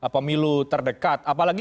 pemilu terdekat apalagi